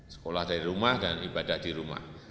sekolah dari rumah dan ibadah di rumah